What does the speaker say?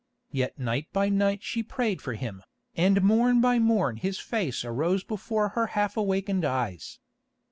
Yet night by night she prayed for him, and morn by morn his face arose before her half awakened eyes.